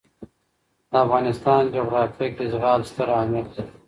د افغانستان جغرافیه کې زغال ستر اهمیت لري.